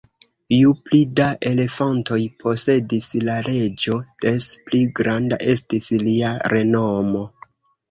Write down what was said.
Ju pli da elefantoj posedis la reĝo, des pli granda estis lia renomo.